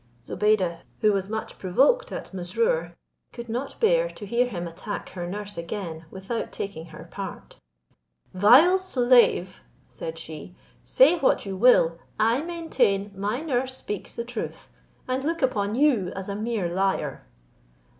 Zobeide, who was much provoked at Mesrour, could not bear to hear him attack her nurse again without taking her part: "Vile slave," said she, "say what you will, I maintain my nurse speaks the truth, and look upon you as a mere liar."